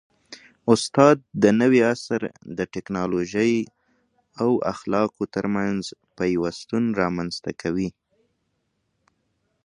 استاد د نوي عصر د ټیکنالوژۍ او اخلاقو ترمنځ پیوستون رامنځته کوي.